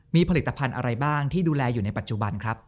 มีผลิตภัณฑ์อะไรบ้างที่ดูแลอยู่ในปัจจุบันครับ